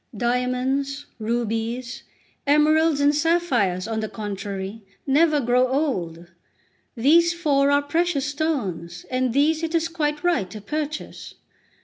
Diamonds, rubies, emeralds, and sapphires, on the contrary, never grow old; these four are precious stones, and these it is quite right to purchase."